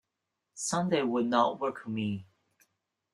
Sunday will not work for me.